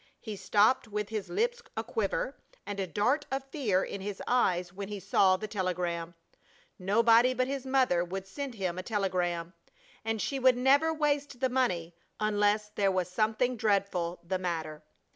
He stopped with his lips aquiver and a dart of fear in his eyes when he saw the telegram. Nobody but his mother would send him a telegram, and she would never waste the money for it unless there was something dreadful the matter.